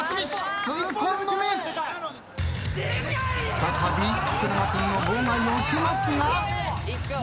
再び徳永君の妨害を受けますが２本目。